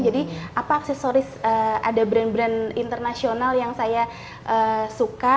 jadi apa aksesoris ada brand brand internasional yang saya suka